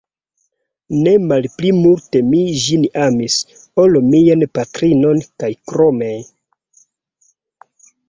Ne malpli multe mi ĝin amis, ol mian patrinon, kaj krome.